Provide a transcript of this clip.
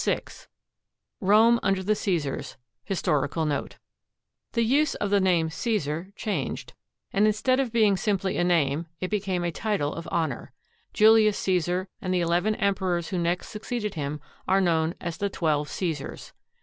VI ROME UNDER THE C^SARS I HISTORICAL NOTE The use of the name " Caesar " changed, and instead of being simply a name it became a title of honor. Julius Caesar and the eleven emperors who next succeeded him are known as the Twelve Caesars.